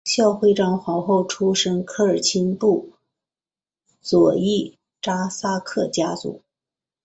孝惠章皇后出身科尔沁部左翼扎萨克家族。